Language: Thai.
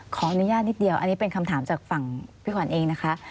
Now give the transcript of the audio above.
ขออนุญาตนิดเดียวอันนี้เป็นคำถามจากฝั่งพี่ขวัญเองนะคะ